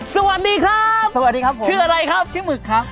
สวัสดีครับสวัสดีครับผมชื่ออะไรครับชื่อหมึกครับ